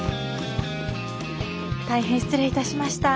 大変失礼いたしました。